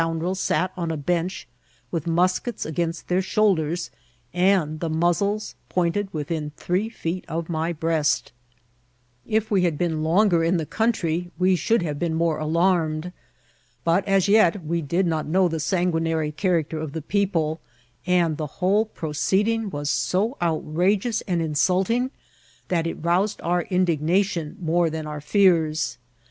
drels sat on a bench with muskets against their shoid* ders, and the muzzles pointed within three feet of my breast; If we had been longer in the country we should hare been more alarmed ; but as yet we did not know the sanguinary character of the people, and the whole proceeding was so outrageous and insulting that it roused our indignation more than our fears.